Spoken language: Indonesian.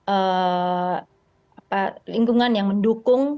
ada lingkungan yang mendukung